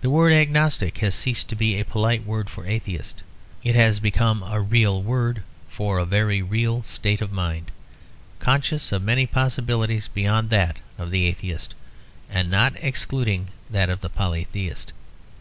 The word agnostic has ceased to be a polite word for atheist. It has become a real word for a very real state of mind, conscious of many possibilities beyond that of the atheist, and not excluding that of the polytheist.